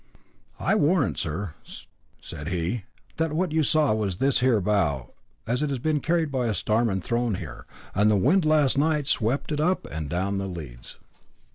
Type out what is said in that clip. "I warrant, sir," said he, "that what you saw was this here bough as has been carried by a storm and thrown here, and the wind last night swept it up and down the leads."